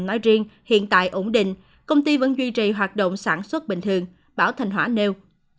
nói riêng hiện tại ổn định công ty vẫn duy trì hoạt động sản xuất bình thường bảo thành hỏa nêu